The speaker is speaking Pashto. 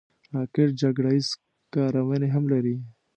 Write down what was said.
راکټ جګړه ییز کارونې هم لري